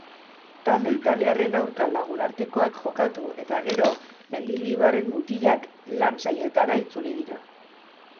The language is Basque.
Talde italiarren aurka lagunartekoak jokatu eta gero mendilibarren mutilak lan saioetara itzuli dira.